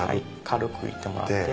軽くいってもらって。